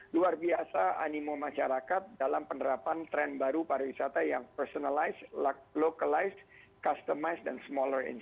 di sini kita sudah memiliki jumlah wisata yang sangat besar